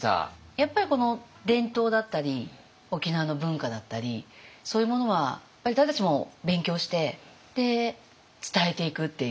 やっぱりこの伝統だったり沖縄の文化だったりそういうものは私たちも勉強して伝えていくっていう。